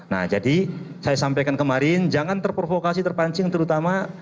nah jadi saya sampaikan kemarin jangan terprovokasi terpancing terutama